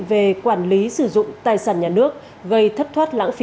về quản lý sử dụng tài sản nhà nước gây thất thoát lãng phí